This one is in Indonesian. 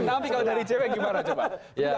tapi kalau dari icw gimana coba